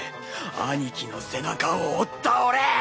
兄貴の背中を追った俺！